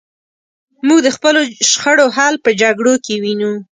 موږ د خپلو شخړو حل په جګړو کې وینو.